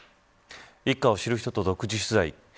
一家を知る人と独自取材。